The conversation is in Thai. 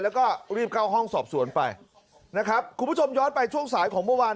แล้วก็รีบเข้าห้องสอบสวนไปนะครับคุณผู้ชมย้อนไปช่วงสายของเมื่อวาน